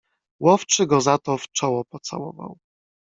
"Łowczy go za to w czoło pocałował."